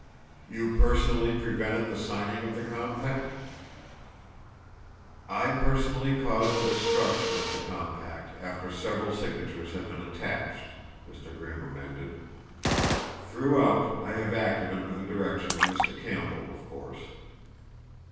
"You personally prevented the signing of the compact?" "I personally caused the destruction of the compact after several signatures had been attached," Mr. Grimm amended. "Throughout I have acted under the direction of Mr. Campbell, of course."